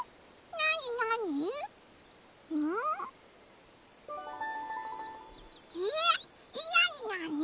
なになに？